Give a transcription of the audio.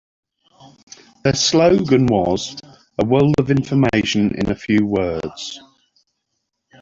Their slogan was "A World of Information in a few words".